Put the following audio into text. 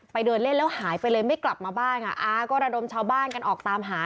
เดินเล่นแล้วหายไปเลยไม่กลับมาบ้านค่ะอาก็ระดมชาวบ้านกันออกตามหา